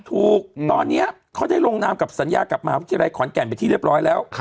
ถูกต้องตอนนี้เขาได้ลงนามกับสัญญากับมหาวิทยาลัยขอนแก่นไปที่เรียบร้อยแล้ว